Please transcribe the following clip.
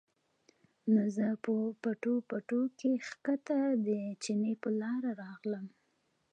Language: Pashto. نو زۀ پۀ پټو پټو کښې ښکته د چینې پۀ لاره راغلم